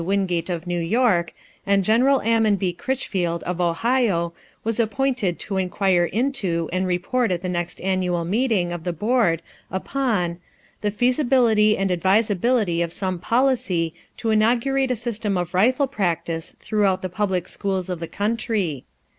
Wingate, of New York, and Gen. Ammon B. Critchfield, of Ohio, was appointed to inquire into and report at the next annual meeting of the board upon The feasibility and advisability of some policy to inaugurate a system of rifle practice throughout the public schools of the country.